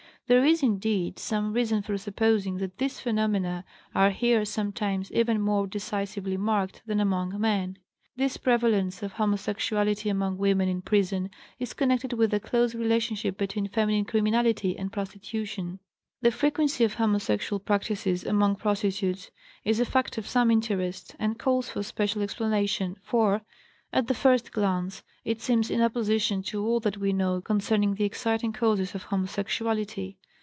There is, indeed, some reason for supposing that these phenomena are here sometimes even more decisively marked than among men. This prevalence of homosexuality among women in prison is connected with the close relationship between feminine criminality and prostitution. The frequency of homosexual practices among prostitutes is a fact of some interest, and calls for special explanation, for, at the first glance, it seems in opposition to all that we know concerning the exciting causes of homosexuality.